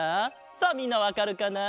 さあみんなわかるかな？